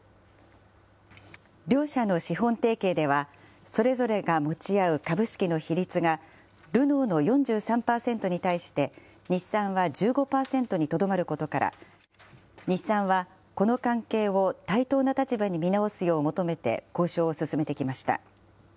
両社の資本提携では、それぞれが持ち合う株式の比率が、ルノーの４３％に対して、日産は１５％にとどまることから、日産はこの関係を対等な立場に見直すよう求めて、交渉を進めてきました。